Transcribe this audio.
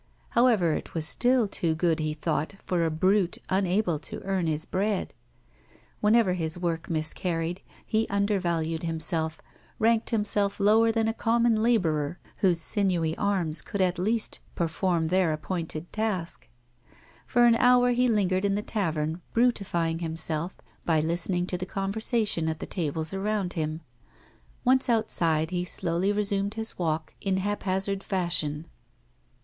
However, it was still too good, he thought, for a brute unable to earn his bread. Whenever his work miscarried, he undervalued himself, ranked himself lower than a common labourer, whose sinewy arms could at least perform their appointed task. For an hour he lingered in the tavern brutifying himself by listening to the conversation at the tables around him. Once outside he slowly resumed his walk in haphazard fashion.